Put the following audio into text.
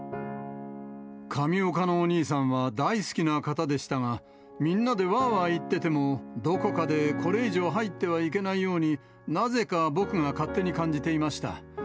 上岡のお兄さんは大好きな方でしたが、みんなでわーわー言ってても、どこかでこれ以上入ってはいけないように、なぜか僕が勝手に感じていました。